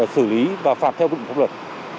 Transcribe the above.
xử lý và phạt theo bệnh pháp luật